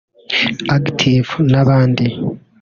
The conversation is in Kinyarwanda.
Active n’abandi